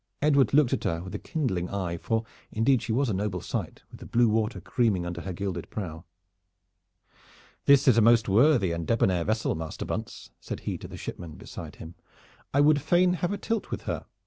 Edward looked at her with a kindling eye, for indeed she was a noble sight with the blue water creaming under her gilded prow. "This is a most worthy and debonair vessel, Master Bunce," said he to the shipman beside him. "I would fain have a tilt with her.